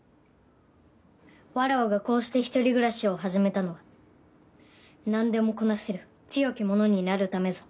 わらわがこうして１人暮らしを始めたのはなんでもこなせる強き者になるためぞ。